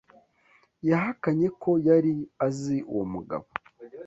Yahakanye ko yari azi uwo mugabo.